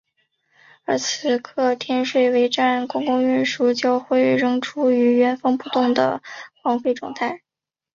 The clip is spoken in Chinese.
而此刻天水围站公共运输交汇处仍处于原封不动的荒废状态。